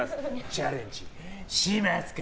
チャレンジしますか？